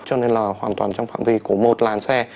cho nên là hoàn toàn trong phạm vi của một làn xe